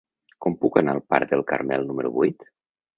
Com puc anar al parc del Carmel número vuit?